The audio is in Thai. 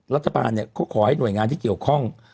รัฐบาลเนี่ยเขาขอให้หน่วยงานที่เกี่ยวข้อง